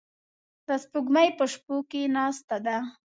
د سپوږمۍ په شپو کې ناسته ده